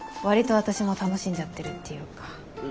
割と私も楽しんじゃってるっていうか。